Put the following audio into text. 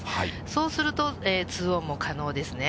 そうすると、２オンも可能ですね。